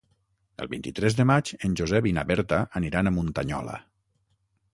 El vint-i-tres de maig en Josep i na Berta aniran a Muntanyola.